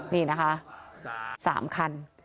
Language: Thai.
นี่นะคะ๓คัน